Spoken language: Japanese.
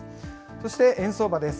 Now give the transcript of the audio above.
そして円相場です。